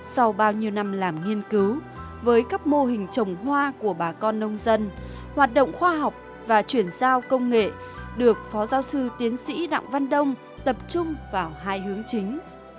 sau bao nhiêu năm làm nghiên cứu với các mô hình trồng hoa của bà con nông dân hoạt động khoa học và chuyển giao công nghệ được phó giáo sư tiến sĩ đặng văn đông tập trung vào hai hướng chính